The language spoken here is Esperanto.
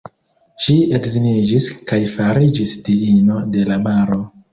Ŝi edziniĝis, kaj fariĝis diino de la maro.